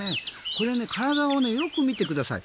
これは体をよく見てください。